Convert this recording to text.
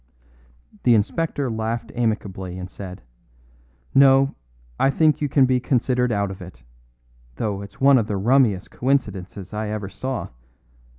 The inspector laughed amicably and said: "No, I think you can be considered out of it, though it's one of the rummiest coincidences I ever saw.